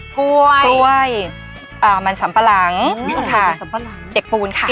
กล้วยมันสำปะหลังเปียกปูนค่ะ